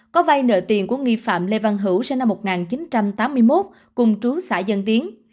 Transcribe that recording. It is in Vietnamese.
có vay nợ tiền của nghi phạm lê văn hữu sinh năm một nghìn chín trăm tám mươi một cùng trú xã dân tiến